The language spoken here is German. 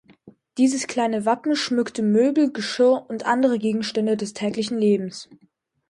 Dieses kleine Wappen schmückte Möbel, Geschirr und andere Gegenstände des täglichen Lebens.